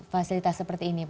fasilitas seperti ini